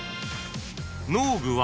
［農具は］